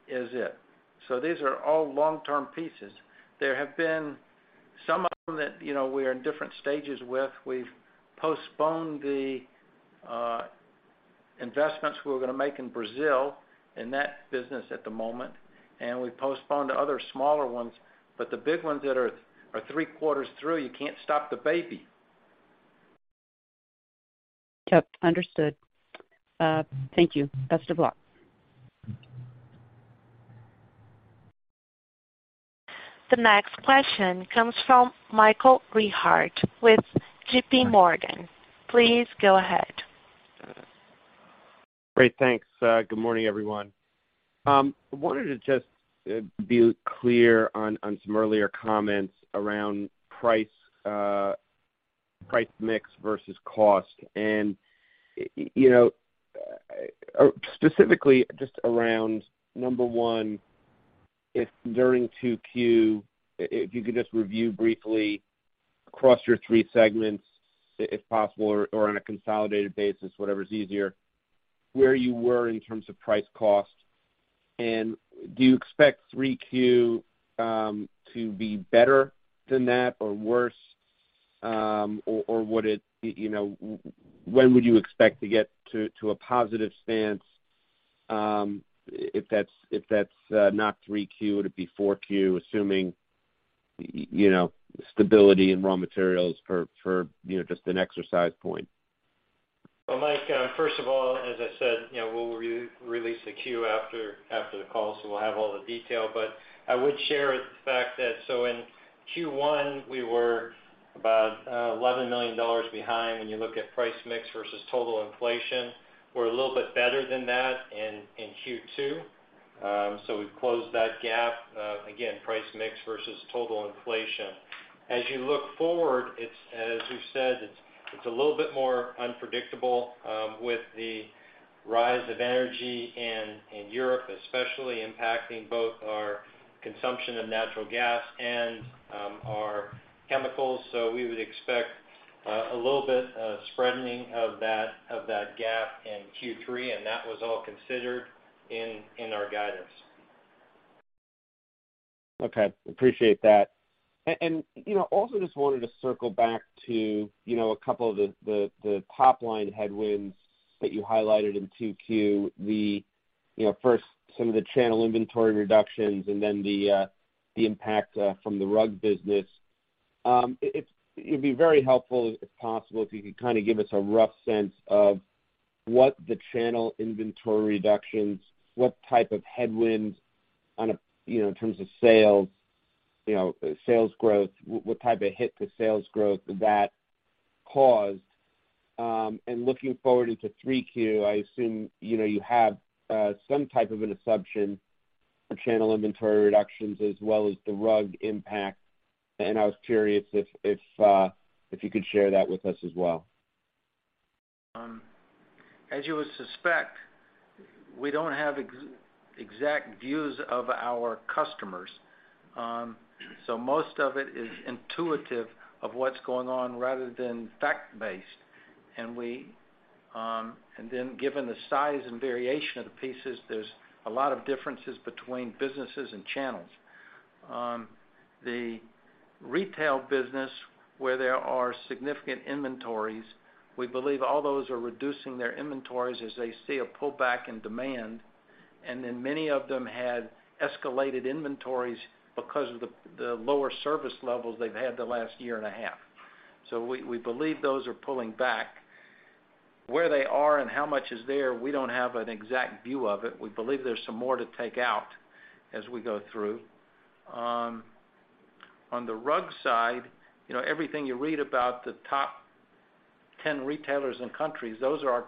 is it. These are all long-term pieces. There have been some of them that, you know, we're in different stages with. We've postponed the investments we were gonna make in Brazil in that business at the moment, and we postponed the other smaller ones. The big ones that are three-quarters through, you can't stop the baby. Yep, understood. Thank you. Best of luck. The next question comes from Michael Rehaut with JPMorgan. Please go ahead. Great. Thanks. Good morning, everyone. Wanted to just be clear on some earlier comments around price mix versus cost. You know, specifically just around number one, if during 2Q, if you could just review briefly across your three segments, if possible, or on a consolidated basis, whatever is easier, where you were in terms of price cost. Do you expect 3Q to be better than that or worse? Or would it, you know, when would you expect to get to a positive stance, if that's not 3Q, would it be 4Q assuming you know stability in raw materials for you know just an exercise point? Well, Mike, first of all, as I said, you know, we'll re-release the Q after the call, so we'll have all the detail. I would share the fact that in Q1, we were about $11 million behind when you look at price mix versus total inflation. We're a little bit better than that in Q2. We've closed that gap, again, price mix versus total inflation. As you look forward, as we've said, it's a little bit more unpredictable with the rise of energy in Europe, especially impacting both our consumption of natural gas and our chemicals. We would expect a little bit of spreading of that gap in Q3, and that was all considered in our guidance. Okay. Appreciate that. And you know, also just wanted to circle back to, you know, a couple of the top-line headwinds that you highlighted in 2Q, you know, first, some of the channel inventory reductions and then the impact from the rug business. It'd be very helpful, if possible, if you could kinda give us a rough sense of what the channel inventory reductions, what type of headwinds on a, you know, in terms of sales, you know, sales growth, what type of hit to sales growth that caused. And looking forward into 3Q, I assume, you know, you have some type of an assumption for channel inventory reductions as well as the rug impact. I was curious if you could share that with us as well. As you would suspect, we don't have exact views of our customers. Most of it is intuitive of what's going on rather than fact-based. Given the size and variation of the pieces, there's a lot of differences between businesses and channels. The retail business where there are significant inventories, we believe all those are reducing their inventories as they see a pullback in demand. Many of them had escalated inventories because of the lower service levels they've had the last year and a half. We believe those are pulling back. Where they are and how much is there, we don't have an exact view of it. We believe there's some more to take out as we go through. On the rug side, you know, everything you read about the top 10 retailers and countries, those are our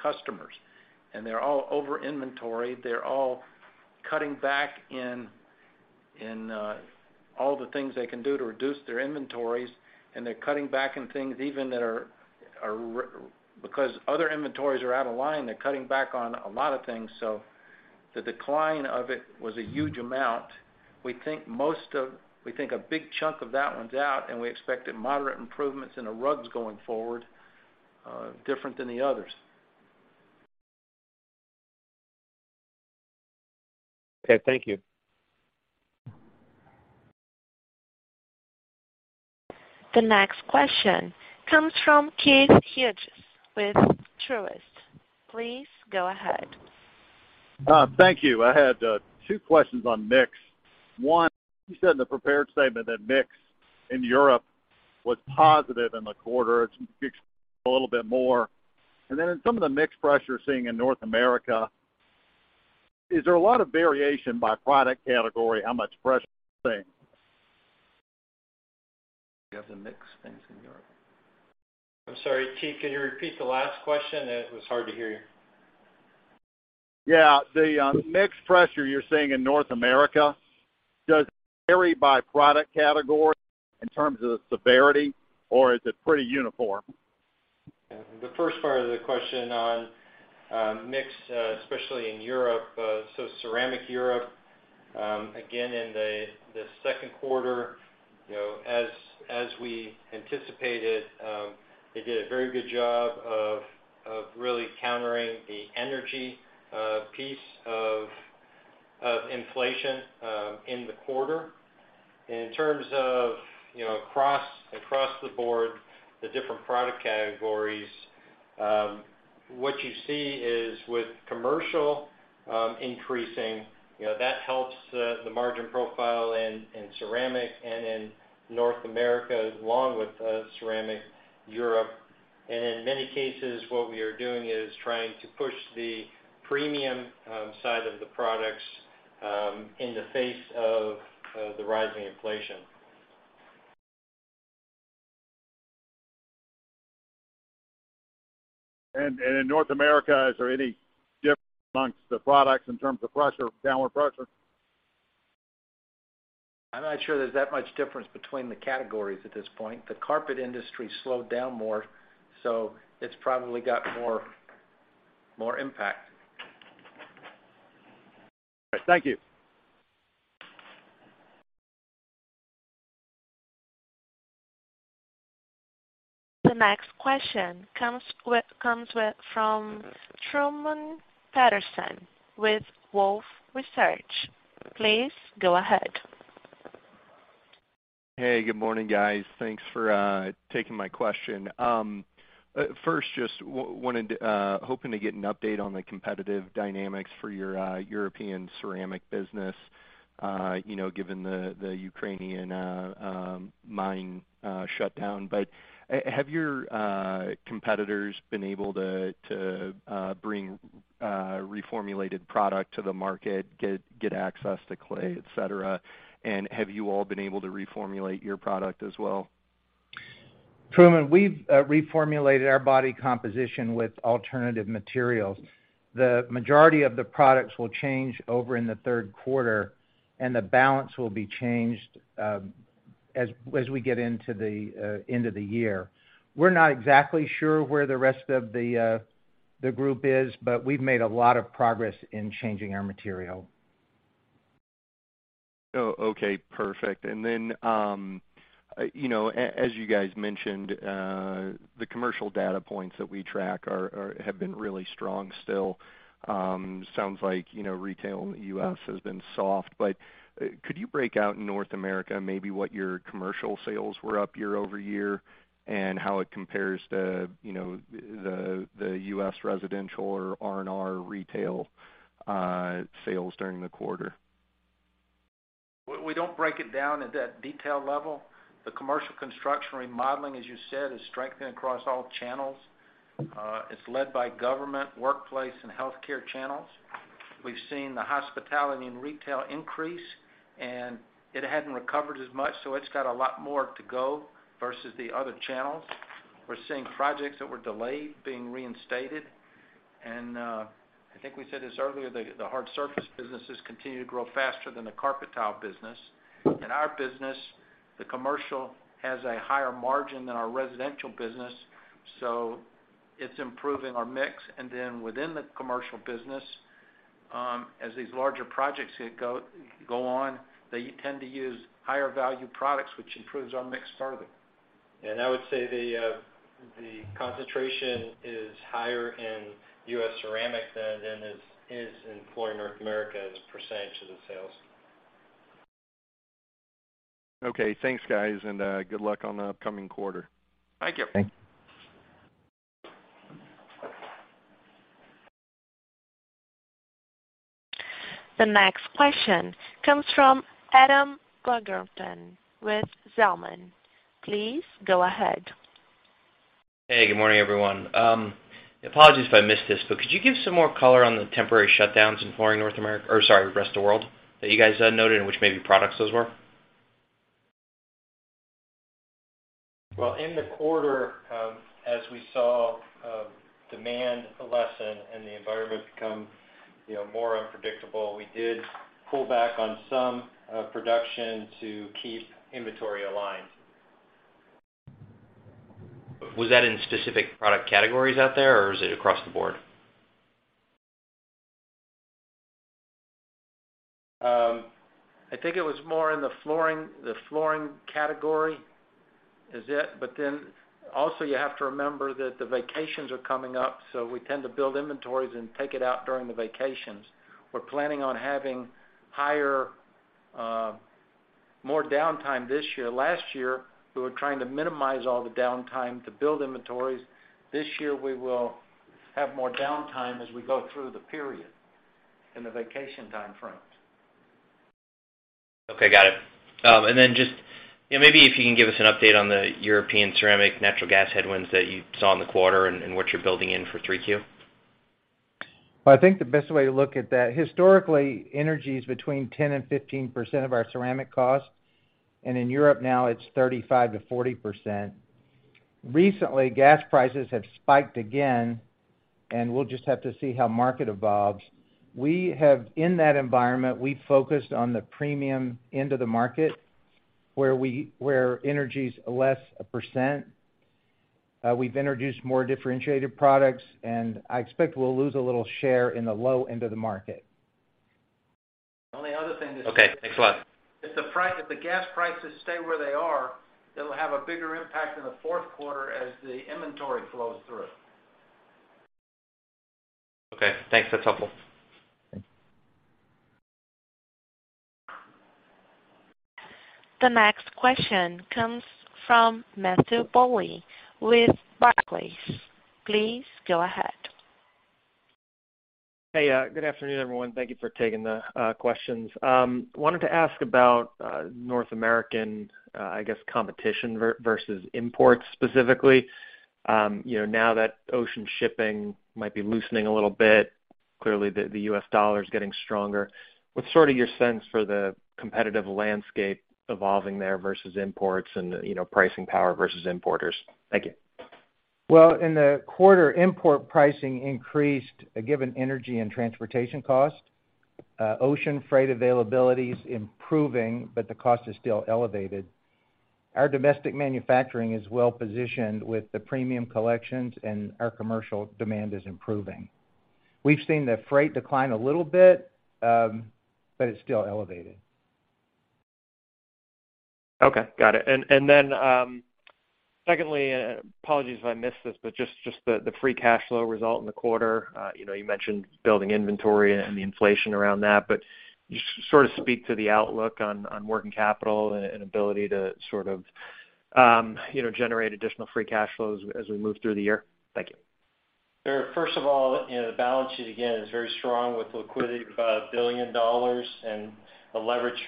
customers, and they're all over inventoried. They're all cutting back in all the things they can do to reduce their inventories, and they're cutting back in things even that are because other inventories are out of line, they're cutting back on a lot of things. The decline of it was a huge amount. We think a big chunk of that one's out, and we expect moderate improvements in the rugs going forward, different than the others. Okay. Thank you. The next question comes from Keith Hughes with Truist. Please go ahead. Thank you. I had two questions on mix. One, you said in the prepared statement that mix in Europe was positive in the quarter. Could you expand a little bit more? In some of the mix pressure you're seeing in North America, is there a lot of variation by product category, how much pressure you're seeing? We have the mix things in Europe. I'm sorry, Keith, can you repeat the last question? It was hard to hear you. Yeah. The mix pressure you're seeing in North America, does it vary by product category in terms of the severity, or is it pretty uniform? The first part of the question on mix, especially in Europe. So ceramic Europe, again, in the second quarter, you know, as we anticipated, they did a very good job of really countering the energy piece of inflation in the quarter. In terms of, you know, across the board, the different product categories, what you see is with commercial increasing, you know, that helps the margin profile in ceramic and in North America, along with ceramic Europe. In many cases, what we are doing is trying to push the premium side of the products in the face of the rising inflation. In North America, is there any difference among the products in terms of pressure, downward pressure? I'm not sure there's that much difference between the categories at this point. The carpet industry slowed down more, so it's probably got more impact. Thank you. The next question comes from Truman Patterson with Wolfe Research. Please go ahead. Hey, good morning, guys. Thanks for taking my question. First, just hoping to get an update on the competitive dynamics for your European ceramic business, you know, given the Ukrainian mine shutdown. Have your competitors been able to bring reformulated product to the market, get access to clay, et cetera? Have you all been able to reformulate your product as well? Truman, we've reformulated our body composition with alternative materials. The majority of the products will change over in the third quarter, and the balance will be changed, as we get into the end of the year. We're not exactly sure where the rest of the group is, but we've made a lot of progress in changing our material. Oh, okay, perfect. You know, as you guys mentioned, the commercial data points that we track have been really strong still. Sounds like, you know, retail in the U.S. has been soft, but could you break out North America, maybe what your commercial sales were up year over year and how it compares to, you know, the U.S. residential or R&R retail sales during the quarter? We don't break it down at that detailed level. The commercial construction remodeling, as you said, is strengthening across all channels. It's led by government, workplace, and healthcare channels. We've seen the hospitality and retail increase, and it hadn't recovered as much, so it's got a lot more to go versus the other channels. We're seeing projects that were delayed being reinstated. I think we said this earlier, the hard surface businesses continue to grow faster than the carpet tile business. In our business, the commercial has a higher margin than our residential business, so it's improving our mix. Then within the commercial business, as these larger projects go on, they tend to use higher value products, which improves our mix further. I would say the concentration is higher in U.S. ceramic than is in Flooring North America as a percentage of the sales. Okay, thanks, guys, and good luck on the upcoming quarter. Thank you. Thanks. The next question comes from Adam Baumgarten with Zelman. Please go ahead. Hey, good morning, everyone. Apologies if I missed this, but could you give some more color on the temporary shutdowns in Flooring North America, or sorry, Flooring Rest of the World, that you guys had noted, and which maybe products those were? Well, in the quarter, as we saw, demand lessen and the environment become, you know, more unpredictable, we did pull back on some production to keep inventory aligned. Was that in specific product categories out there, or was it across the board? I think it was more in the flooring category, is it? Then also, you have to remember that the vacations are coming up, so we tend to build inventories and take it out during the vacations. We're planning on having higher, more downtime this year. Last year, we were trying to minimize all the downtime to build inventories. This year, we will have more downtime as we go through the period in the vacation time frames. Okay, got it. Just, you know, maybe if you can give us an update on the European ceramic natural gas headwinds that you saw in the quarter and what you're building in for 3Q? Well, I think the best way to look at that, historically, energy is between 10% and 15% of our ceramic cost, and in Europe now, it's 35%-40%. Recently, gas prices have spiked again, and we'll just have to see how the market evolves. In that environment, we focused on the premium end of the market, where energy's less of a percent. We've introduced more differentiated products, and I expect we'll lose a little share in the low end of the market. The only other thing to say. Okay, thanks a lot. If the gas prices stay where they are, it'll have a bigger impact in the fourth quarter as the inventory flows through. Okay, thanks. That's helpful. Thanks. The next question comes from Matthew Bouley with Barclays. Please go ahead. Hey, good afternoon, everyone. Thank you for taking the questions. Wanted to ask about North American, I guess, competition versus imports specifically. You know, now that ocean shipping might be loosening a little bit, clearly the U.S. dollar is getting stronger. What's sort of your sense for the competitive landscape evolving there versus imports and, you know, pricing power versus importers? Thank you. Well, in the quarter, import pricing increased given energy and transportation cost. Ocean freight availability is improving, but the cost is still elevated. Our domestic manufacturing is well-positioned with the premium collections, and our commercial demand is improving. We've seen the freight decline a little bit, but it's still elevated. Okay, got it. Secondly, apologies if I missed this, but just the free cash flow result in the quarter, you know, you mentioned building inventory and the inflation around that, but just sort of speak to the outlook on working capital and ability to sort of, you know, generate additional free cash flows as we move through the year. Thank you. Sure. First of all, you know, the balance sheet, again, is very strong, with liquidity of about $1 billion, and the leverage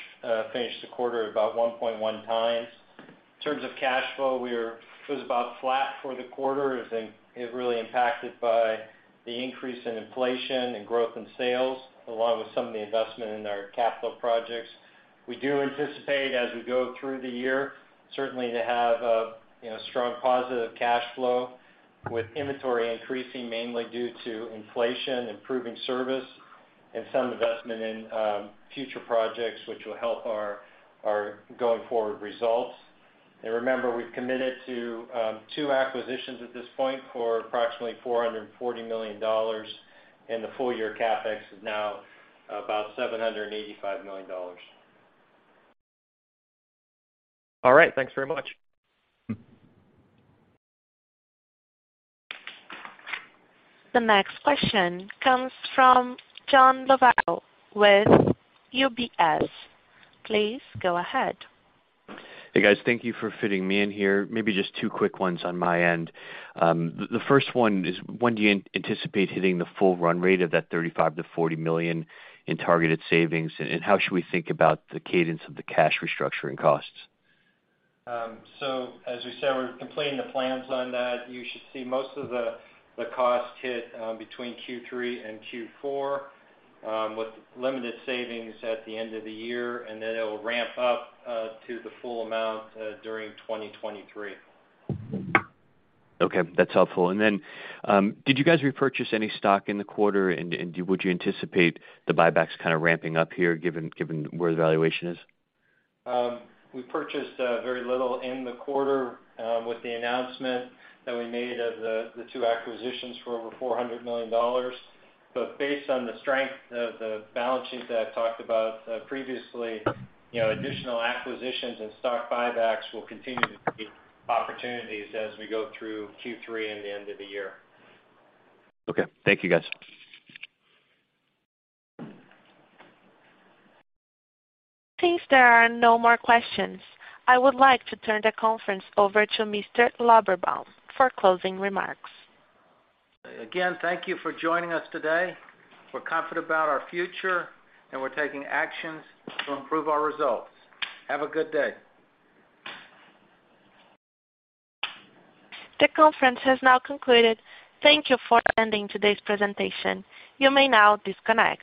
finished the quarter about 1.1x. In terms of cash flow, it was about flat for the quarter, as it really impacted by the increase in inflation and growth in sales, along with some of the investment in our capital projects. We do anticipate, as we go through the year, certainly to have a, you know, strong positive cash flow, with inventory increasing mainly due to inflation, improving service, and some investment in future projects which will help our going forward results. Remember, we've committed to two acquisitions at this point for approximately $440 million, and the full year CapEx is now about $785 million. All right. Thanks very much. The next question comes from John Lovallo with UBS. Please go ahead. Hey, guys. Thank you for fitting me in here. Maybe just two quick ones on my end. The first one is, when do you anticipate hitting the full run rate of that $35 million-$40 million in targeted savings? And how should we think about the cadence of the cash restructuring costs? As we said, we're completing the plans on that. You should see most of the cost hit between Q3 and Q4 with limited savings at the end of the year, and then it will ramp up to the full amount during 2023. Okay, that's helpful. Did you guys repurchase any stock in the quarter? Would you anticipate the buybacks kinda ramping up here, given where the valuation is? We purchased very little in the quarter, with the announcement that we made of the two acquisitions for over $400 million. Based on the strength of the balance sheet that I talked about previously, you know, additional acquisitions and stock buybacks will continue to be opportunities as we go through Q3 and the end of the year. Okay. Thank you, guys. Since there are no more questions, I would like to turn the conference over to Mr. Lorberbaum for closing remarks. Again, thank you for joining us today. We're confident about our future, and we're taking actions to improve our results. Have a good day. The conference has now concluded. Thank you for attending today's presentation. You may now disconnect.